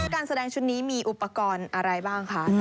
การแสดงชุดนี้มีอุปกรณ์อะไรบ้างคะ